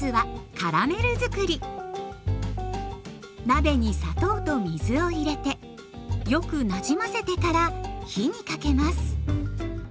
鍋に砂糖と水を入れてよくなじませてから火にかけます。